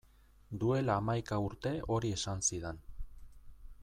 Duela hamaika urte hori esan zidan.